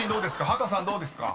［畑さんどうですか？］